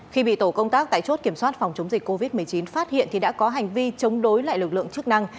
khi bị tổ công tác tại chốt kiểm soát phòng chống dịch covid một mươi chín phát hiện thì đã có hành vi chống đối lại lực lượng chức năng